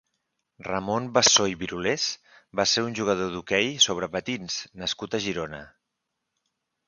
Ramon Bassó i Birulés va ser un jugador d'hoquei sobre patins nascut a Girona.